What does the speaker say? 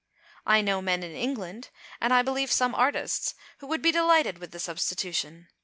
I know men in England, and, I believe, some artists, who would be delighted with the substitution.